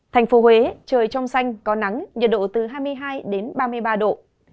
thành phố huế trời trong xanh có nắng nhiệt độ từ hai mươi hai đến ba mươi ba độ